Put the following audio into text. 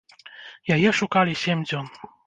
Яе шукалі сем дзён.